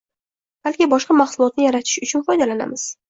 balki boshqa mahsulotni yaratish uchun foydalanamiz.